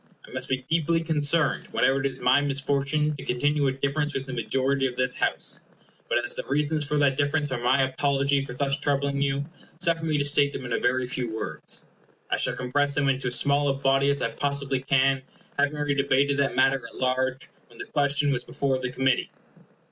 I must be deeply concerned whenever it is my misfortune to continue a difference with the majority of this House; but as the reasons for that difference are my apology for thus troubling you, suffer me to state them in a very few words. I shall compress them into as small a body as I possibly can, having already debated that matter at large when the question was before the Committee.